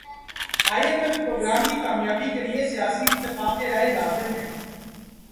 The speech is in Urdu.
ائی ایم ایف پروگرام کی کامیابی کیلئے سیاسی اتفاق رائے لازم ہے